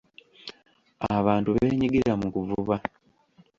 Abantu beenyigira mu kuvuba.